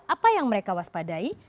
apa yang mereka waspadai